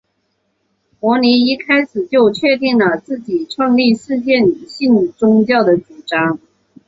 摩尼一开始就确定了自己创立世界性宗教的主张。